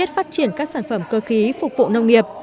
phát triển các sản phẩm cơ khí phục vụ nông nghiệp